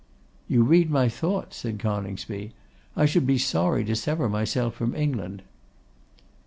'You read my thoughts,' said Coningsby. 'I should be sorry to sever myself from England.